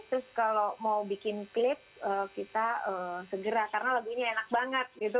terus kalau mau bikin klip kita segera karena lagunya enak banget gitu